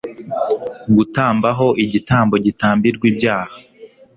gutamba ho igitambo gitambirwa ibyaha